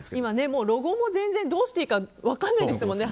もうロゴも全然どうしていいか分からないですもんね。